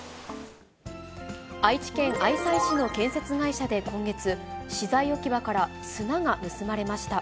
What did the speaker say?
愛知県愛西市の建設会社で今月、資材置き場から砂が盗まれました。